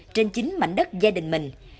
trên chính mảnh đất gia đình mình